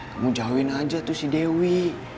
kamu jauhin aja tuh si dewi